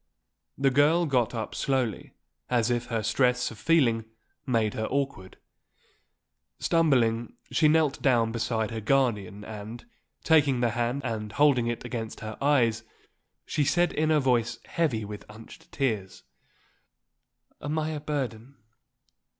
The girl got up slowly, as if her stress of feeling made her awkward. Stumbling, she knelt down beside her guardian and, taking the hand and holding it against her eyes, she said in a voice heavy with unshed tears: "Am I a burden?